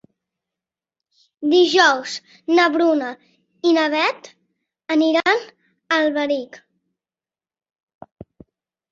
Dijous na Bruna i na Beth aniran a Alberic.